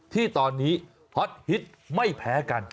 ที่ตอนนี้ฮอตฮิตไม่แพ้กัน